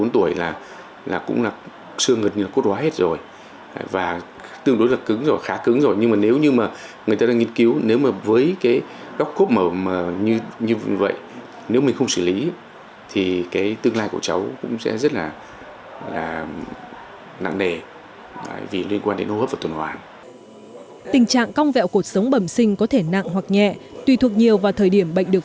tình trạng cong vẹo cuộc sống bẩm sinh có thể nặng hoặc nhẹ tùy thuộc nhiều vào thời điểm bệnh được